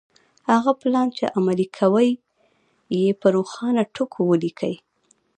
هغه پلان چې عملي کوئ يې په روښانه ټکو وليکئ.